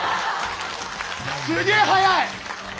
すげえ速い。